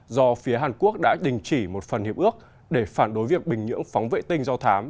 do phía hàn quốc đã đình chỉ một phần hiệp ước để phản đối việc bình nhưỡng phóng vệ tinh do thám